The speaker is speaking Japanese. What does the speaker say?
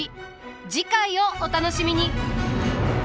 次回をお楽しみに。